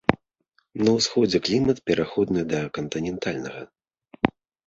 На ўсходзе клімат пераходны да кантынентальнага.